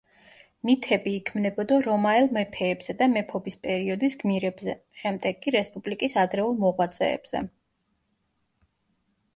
მითები იქმნებოდა რომაელ მეფეებზე და მეფობის პერიოდის გმირებზე, შემდეგ კი რესპუბლიკის ადრეულ მოღვაწეებზე.